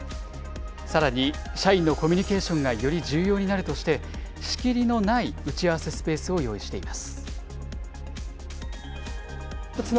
さらに社員のコミュニケーションがより重要になるとして、仕切りのない打ち合わせスペースを用意しています。